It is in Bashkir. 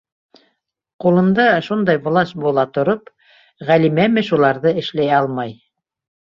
Ҡулында шундай власть була тороп, Ғәлимәме шуларҙы эшләй алмай?